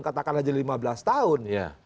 katakan saja dari lima belas tahun